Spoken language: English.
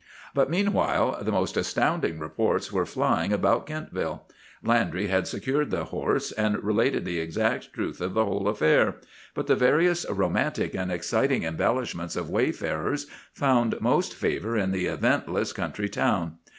"But meanwhile the most astounding reports were flying about Kentville. Landry had secured the horse, and related the exact truth of the whole affair; but the various romantic and exciting embellishments of wayfarers found most favor in the eventless country town.